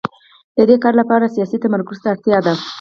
د دې کار لپاره سیاسي تمرکز ته اړتیا ده.